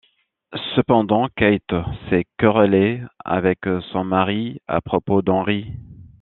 Cependant, Kate s'est querellée avec son mari à propos d'Henry.